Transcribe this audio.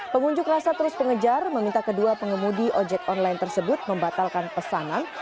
pengunjuk rasa terus pengejar meminta kedua pengemudi ojek online tersebut membatalkan pesanan